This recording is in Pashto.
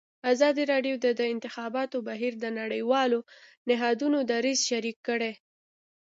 ازادي راډیو د د انتخاباتو بهیر د نړیوالو نهادونو دریځ شریک کړی.